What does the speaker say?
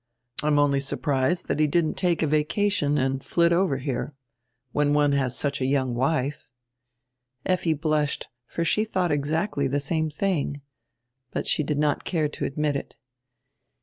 I am only surprised diat he didn't take a vacation and flit over here. When one has such a young wife —" Effi blushed, for she thought exactly the same thing. But she did not care to admit it.